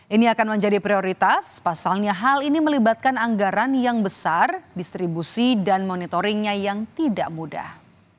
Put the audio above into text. ini akan menjadi prioritas pasalnya hal ini melibatkan anggaran yang besar distribusi dan monitoringnya yang tidak mudah